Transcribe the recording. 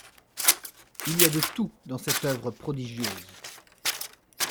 Il y a de tout dans cette oeuvre prodigieuse.